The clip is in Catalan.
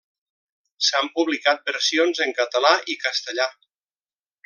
S'han publicat versions en català i castellà.